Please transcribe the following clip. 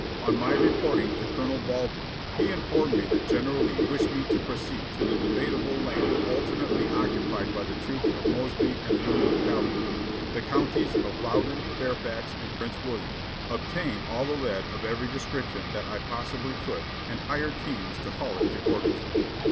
On my reporting to Colonel Baldwin, he informed me that General Lee wished me to proceed to the debatable land alternately occupied by the troops of Mosby and the Union cavalry, — the counties of Loudoun, Fairfax, and Prince William, — obtain all the lead of every description that 1 possibly could and hire teams to haul it to Gordonsville.